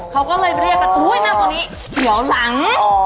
เขาก็เลยเรียกว่าอู้ยนั่งตรงนี้เสียวหลัง